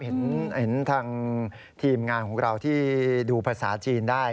เห็นทางทีมงานของเราที่ดูภาษาจีนได้